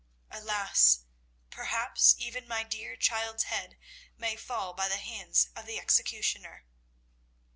Alas, perhaps even my dear child's head may fall by the hands of the executioner!"